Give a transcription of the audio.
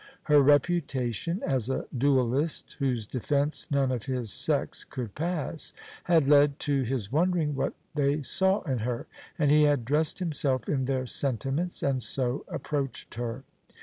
Her reputation as a duellist, whose defence none of his sex could pass, had led to his wondering what they saw in her, and he had dressed himself in their sentiments and so approached her.